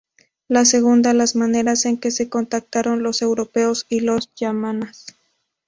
La segunda, las maneras en que se contactaron los europeos y los yámanas.